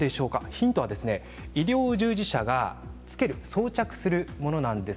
ヒントは医療従事者がつける装着するものなんです。